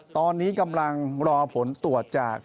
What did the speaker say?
ตอนนี้กำลังรอผลตรวจจาก